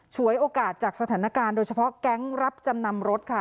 ฉวยโอกาสจากสถานการณ์โดยเฉพาะแก๊งรับจำนำรถค่ะ